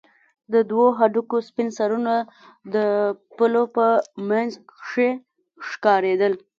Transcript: د دوو هډوکو سپين سرونه د پلو په منځ کښې ښکارېدل.